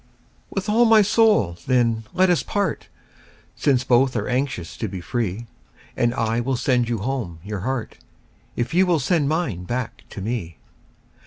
TO ....... With all my soul, then, let us part, Since both are anxious to be free; And I will sand you home your heart, If you will send mine back to me.